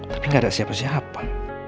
tapi gak ada siapa siapa